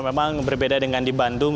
memang berbeda dengan di bandung